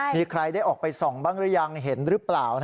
มีใครได้ออกไปส่องบ้างหรือยังเห็นหรือเปล่า